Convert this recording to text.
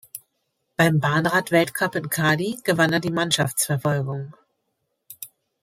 Beim Bahnrad-Weltcup in Cali gewann er die Mannschaftsverfolgung.